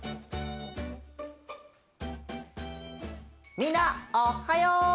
みんなおっはよ！